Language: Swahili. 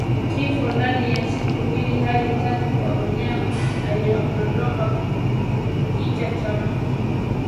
Kifo ndani ya siku mbili hadi tatu kwa mnyama aliyedondoka ni kichaa cha mbwa